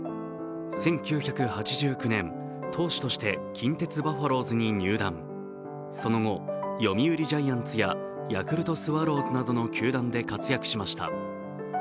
１０８９年、投手として近鉄バファローズに入団、その後、読売ジャイアンツやヤクルトスワローズなどで活躍しました。